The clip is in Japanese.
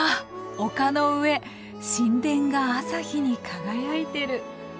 丘の上神殿が朝日に輝いてる。